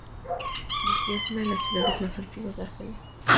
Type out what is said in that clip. Bugía es una de las ciudades más antiguas de Argelia.